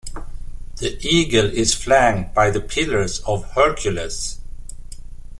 The eagle is flanked by the pillars of Hercules.